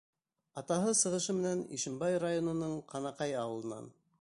Атаһы сығышы менән Ишембай районының Ҡанаҡай ауылынан.